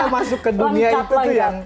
masuk ke dunia itu tuh yang